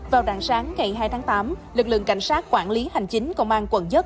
vào rạng sáng ngày hai tháng tám lực lượng cảnh sát quản lý hành chính công an quận một